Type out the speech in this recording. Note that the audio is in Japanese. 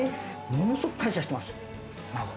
ものすごく感謝してますよ。